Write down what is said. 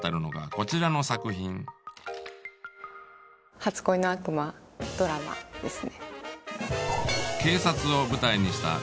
「初恋の悪魔」ドラマですね。